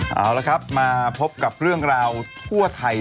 เอาละครับมาพบกับเรื่องราวทั่วไทย